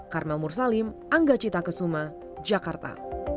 karma mursalim angga cita kesuma jakarta